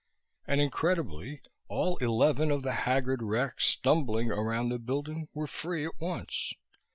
And incredibly all eleven of the haggard wrecks stumbling around the building were free at once.